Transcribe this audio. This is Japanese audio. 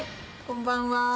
こんばんは。